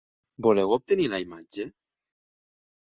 Voleu obtenir la imatge?